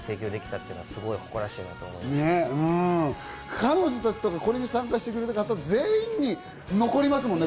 彼女たちとかこれに参加してくれた方全員に残りますもんね